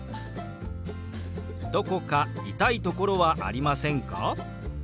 「どこか痛いところはありませんか？」。